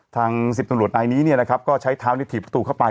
ทางสิบตำรวจไอนี้เนี่ยนะครับก็ใช้เท้าที่ถี่ประตูเข้าไป